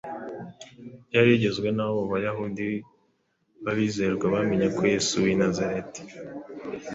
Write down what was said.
ryari rigizwe n’abo bayahudi b’abizerwa bamenye ko Yesu w’i Nazareti